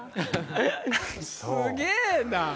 すげぇな。